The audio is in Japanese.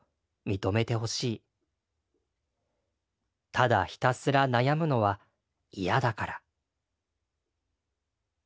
ただひたすら悩むのは嫌だから」。